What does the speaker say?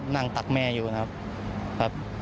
นั่งตรักแม่อยู่นะครับ